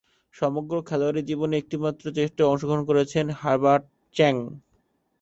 সমগ্র খেলোয়াড়ী জীবনে একটিমাত্র টেস্টে অংশগ্রহণ করেছেন হার্বার্ট চ্যাং।